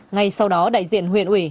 ngay sau đó đại diện huyện ủy